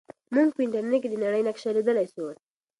موږ په انټرنیټ کې د نړۍ نقشه لیدلی سو.